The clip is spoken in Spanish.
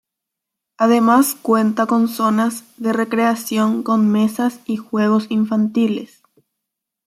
Además cuenta con zonas de recreación con mesas y juegos infantiles.